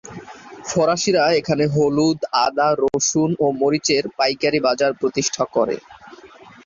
ফরাসিরা এখানে হলুদ, আদা, রসুন ও মরিচের পাইকারি বাজার প্রতিষ্ঠা করে।